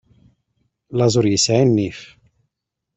Laẓ ur isɛi nnif.